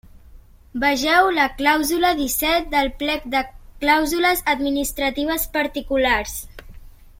Vegeu la clàusula disset del Plec de Clàusules Administratives Particulars.